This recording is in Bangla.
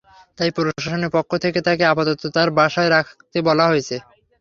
তাই প্রশাসনের পক্ষ থেকে তাকে আপাতত তাঁর বাসায় রাখতে বলা হয়েছে।